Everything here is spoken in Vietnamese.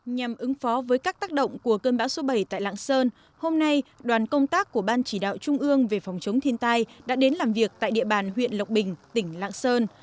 nhằm ứng phó với các tác động của cơn bão số bảy tại lạng sơn hôm nay đoàn công tác của ban chỉ đạo trung ương về phòng chống thiên tai đã đến làm việc tại địa bàn huyện lộc bình tỉnh lạng sơn